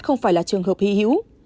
không phải là trường hợp hy hữu